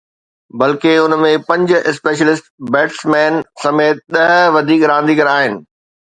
بلڪه، ان ۾ پنج اسپيشلسٽ بيٽسمين سميت ڏهه وڌيڪ رانديگر آهن